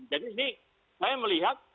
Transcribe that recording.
jadi ini saya melihat